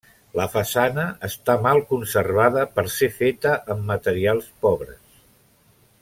La façana està mal conservada per ser feta amb materials pobres.